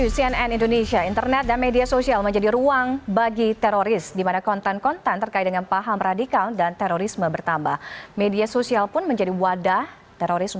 cnn indonesia breaking news